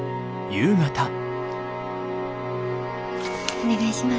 お願いします。